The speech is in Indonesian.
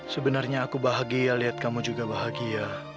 sebenarnya aku bahagia lihat kamu juga bahagia